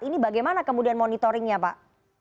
ini bagaimana kemudian monitoringnya pak